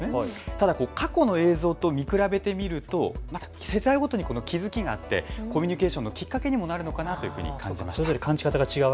ただ過去の映像と見比べてみると世代ごとに気付きがあってコミュニケーションのきっかけにもなるのかなと感じました。